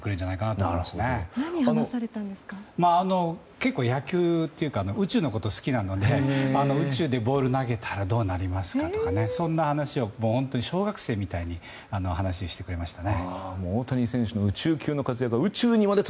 結構野球というか宇宙のこと好きなので、宇宙でボール投げたらどうなりますかとか、そんな話を小学生みたいに話をしてくれましたね。